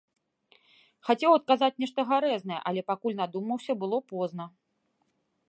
Хацеў адказаць нешта гарэзнае, але, пакуль надумаўся, было позна.